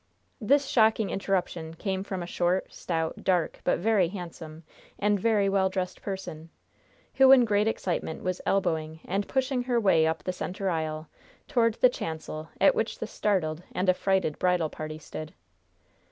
This shocking interruption came from a short, stout, dark, but very handsome, and very well dressed person, who, in great excitement, was elbowing and pushing her way up the center aisle toward the chancel at which the startled and affrighted bridal party stood.